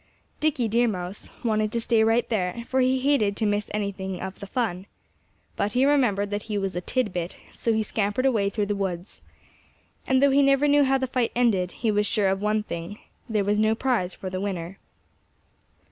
Dickie Deer Mouse wanted to stay right there, for he hated to miss any of the fun. But he remembered that he was a "tidbit"; so he scampered away through the woods. And though he never knew how the fight ended, he was sure of one thing: There was no prize for the winner.